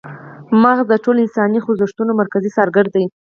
مغزه د ټولو انساني خوځښتونو مرکزي څارګر دي